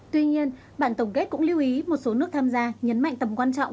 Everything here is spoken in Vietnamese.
tuy nhiên bản tổng kết cũng lưu ý một số nước tham gia nhấn mạnh tầm quan trọng